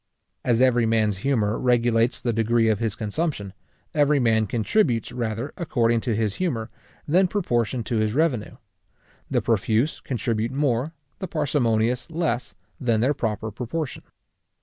As every man's humour regulates the degree of his consumption, every man contributes rather according to his humour, than proportion to his revenue: the profuse contribute more, the parsimonious less, than their proper proportion.